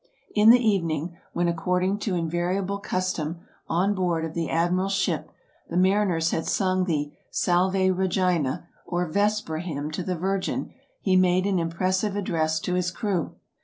In the evening, when according to invariable custom 18 TRAVELERS AND EXPLORERS on board of the admiral's ship, the mariners had sung the " Salve Regina, " or vesper hymn to the Virgin, he made an impressive address to his crew.